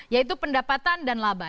yaitu pendapatan dan laba